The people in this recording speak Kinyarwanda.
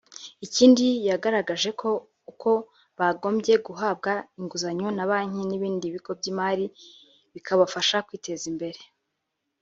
ikindi yagaragaje ni uko bagombye guhabwa inguzanyo na banki n’ibigo by’imari bikabafasha kwiteza imbere